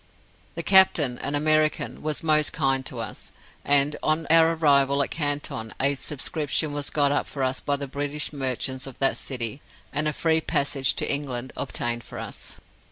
The captain, an American, was most kind to us, and on our arrival at Canton, a subscription was got up for us by the British merchants of that city, and a free passage to England obtained for us.